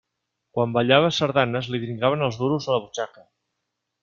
Quan ballava sardanes li dringaven els duros a la butxaca.